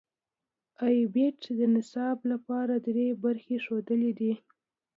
ای بیټ د نصاب لپاره درې برخې ښودلې دي.